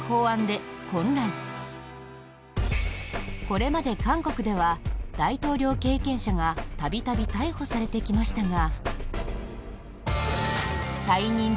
これまで韓国では大統領経験者が度々、逮捕されてきましたが。